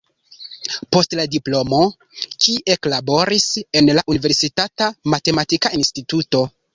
Post la diplomo ki eklaboris en la universitata matematika instituto.